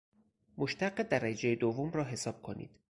مشتق درجه دوم را حساب کنید